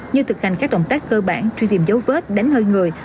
như thực hành các động tác cơ bản truy tìm dấu vết đánh hơi người